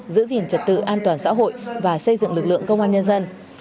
giữ gìn trật tự an toàn xã hội và xây dựng lực lượng công an nhân dân